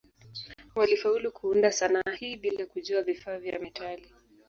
Walifaulu kuunda sanaa hii bila kujua vifaa vya metali.